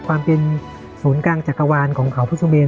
ความเป็นศูนย์กลางจักรวาลของเขาพุทธเมน